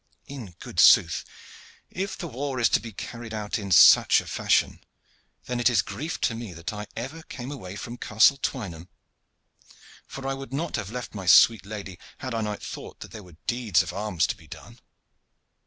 In good sooth, if the war is to be carried out in such a fashion, then it is grief to me that I ever came away from Castle Twynham, for I would not have left my sweet lady had I not thought that there were deeds of arms to be done."